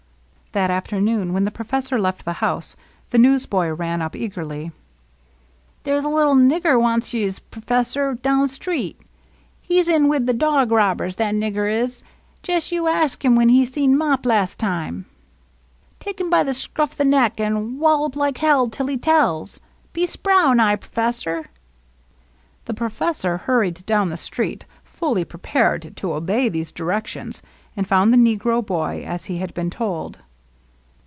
" That afternoon, when the professor left the house, the newsboy ran up eagerly. " There 's a little nig ger wants yez, perf esser, downstreet. He 's in wid the dog robbers, that nigger is. Jes' you arsk him when he see Mop las' time. Take him by the scruff the neck, an' wallop like hell till he tells. Be spry, now, perfesser !" The professor hurried down the street, fully pre pared to obey these directions, and found the negro boy, as he had been told.